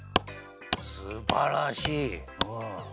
すばらしいうん。